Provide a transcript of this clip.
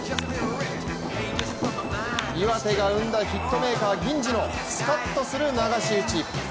岩手が生んだヒットメーカー銀次のスカッとする流し打ち。